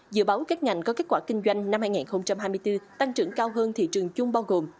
dự báo các ngành có kết quả kinh doanh năm hai nghìn hai mươi bốn tăng trưởng cao hơn thị trường chung bao gồm